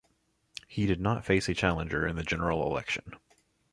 He did not face a challenger in the general election.